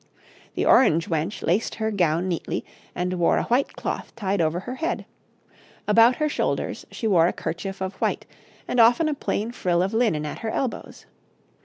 The orange wench laced her gown neatly, and wore a white cloth tied over her head; about her shoulders she wore a kerchief of white, and often a plain frill of linen at her elbows.